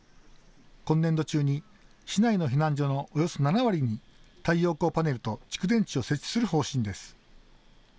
今年度中に市内の避難所のおよそ７割に太陽光パネルと蓄電池を設置する方針です。